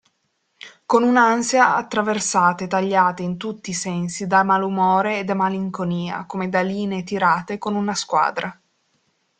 Con un'ansia attraversata e tagliata in tutti i sensi da malumore e da malinconia, come da linee tirate con una squadra.